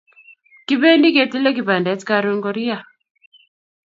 Kipendi ketile kpandet karun koriya